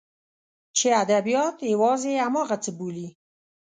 چې ادبیات یوازې همغه څه بولي.